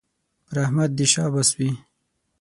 پر احمد دې شاباس وي